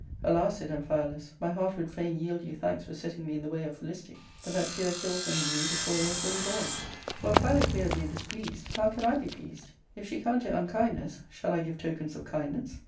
" Alas, said Amphialus, " my heart would fain yield you thanks for setting me in the way of felicity, but that fear kills them in me before they are fully bom. For if Philoclea be displeased, how can I be pleased ? If she count it unkindness, shall I give tokens of kindness?